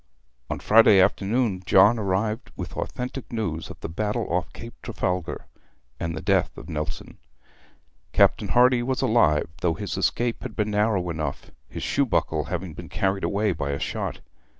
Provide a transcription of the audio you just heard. On Friday afternoon John arrived with authentic news of the battle off Cape Trafalgar, and the death of Nelson. Captain Hardy was alive, though his escape had been narrow enough, his shoe buckle having been carried away by a shot.